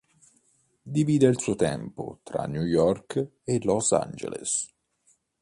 Divide il suo tempo tra New York e Los Angeles.